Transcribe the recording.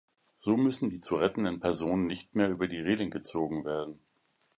So müssen die zu rettenden Personen nicht mehr über die Reling gezogen werden.